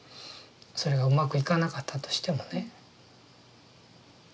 それがうまくいかなかったとしてもね。